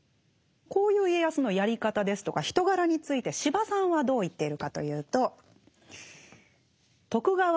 こういう家康のやり方ですとか人柄について司馬さんはどう言っているかというと。